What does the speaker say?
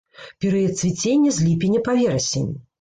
Перыяд цвіцення з ліпеня па верасень.